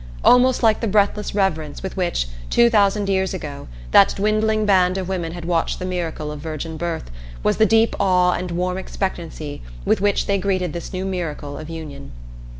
Almost like the breathless reverence with which, two thousand years ago, that dwindling band of women had watched the miracle of virgin birth, was the deep awe and warm expectancy with which they greeted this new miracle of union.